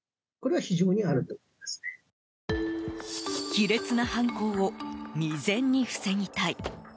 卑劣な犯行を未然に防ぎたい。